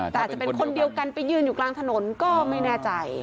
แต่อาจจะเป็นคนเดียวกันไปยืนอยู่กลางถนนก็ไม่แน่ใจ